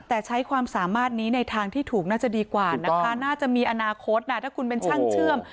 แต่ใช้ความสามารถนี้ในทางที่ถูกน่าจะดีกว่านะคะน่าจะมีอนาคตนะถ้าคุณเป็นช่างเชื่อม